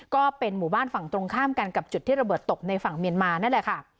ก็เป็นหมู่บ้านฝั่งตรงข้ามกันกับจุดที่ระเบิดตกในฝั่งเมียนมานั่นแหละค่ะ